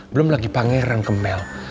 belum lagi pangeran ke mel